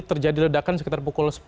terjadi ledakan sekitar pukul sepuluh